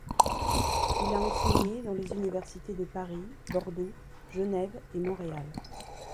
Il a enseigné dans les universités de Paris, Bordeaux, Genève et Montréal.